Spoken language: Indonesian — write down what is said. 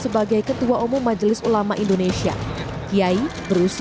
sebelum dipilih menjadi pendamping oleh jokowi